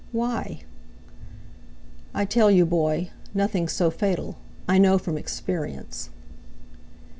"Why?" "I tell you, boy, nothing's so fatal. I know from experience."